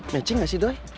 mecing gak sih doi